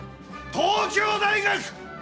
東京大学！